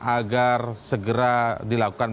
agar segera dilakukan